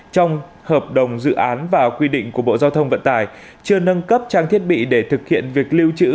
trong hợp đồng dự án và quy định của bộ giao thông vận tải chưa nâng cấp trang thiết bị để thực hiện việc lưu trữ